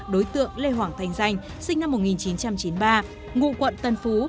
đối tượng lê hoàng thanh danh sinh năm một nghìn chín trăm chín mươi ba ngụ quận tân phú